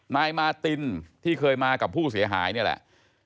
นายมาตินที่เคยมากับผู้เสียหายนี่แหละ